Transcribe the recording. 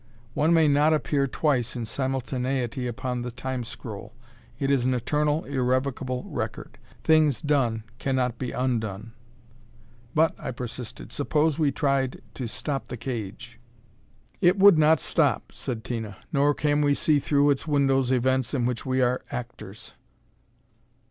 One may not appear twice in simultaneity upon the Time scroll. It is an eternal, irrevocable record. Things done cannot be undone. "But," I persisted, "suppose we tried to stop the cage?" "It would not stop," said Tina. "Nor can we see through its windows events in which we are actors."